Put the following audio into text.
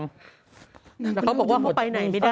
เขาบอกว่าเขาไปไหนไม่ได้